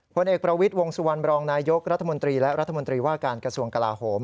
ผลเอกประวิทย์วงสุวรรณบรองนายยกรัฐมนตรีและรัฐมนตรีว่าการกระทรวงกลาโหม